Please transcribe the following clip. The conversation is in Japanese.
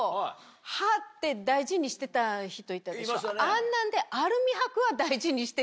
あんなんで。